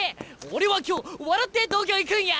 俺は今日笑って東京行くんや！